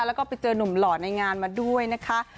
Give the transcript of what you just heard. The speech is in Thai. แล้วก็ไปเจอนุ่มหล่อในงานมาด้วยนะคะ